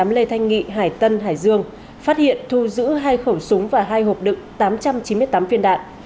chín trăm ba mươi tám lê thanh nghị hải tân hải dương phát hiện thu giữ hai khẩu súng và hai hộp đựng tám trăm chín mươi tám phiên đạn